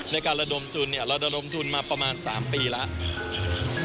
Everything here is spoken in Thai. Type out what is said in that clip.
ในการระดมทุนเนี่ยเราระดมทุนมาประมาณ๓ปีแล้ว